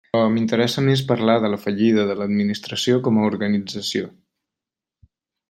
Però m'interessa més parlar de la fallida de l'administració com a organització.